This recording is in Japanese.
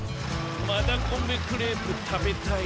マダコンベクレープたべたい。